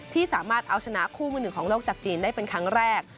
ที่สามารถเอาชนะคู่มือหนึ่งของโลกจากจีนได้เป็นครั้งแรก